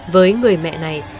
với người mẹ này